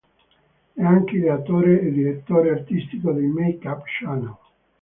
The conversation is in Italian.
È anche ideatore e direttore artistico di Make Up Channel.